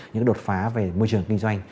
những đột phá về môi trường kinh doanh